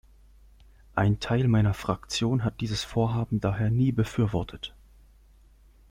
Ein Teil meiner Fraktion hat dieses Vorhaben daher nie befürwortet.